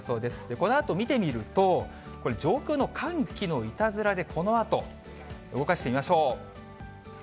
このあと見てみると、これ上空の寒気のいたずらで、このあと動かしてみましょう。